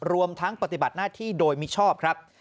รวมทั้งปฏิบัติหน้าที่โดยมิชอบครับ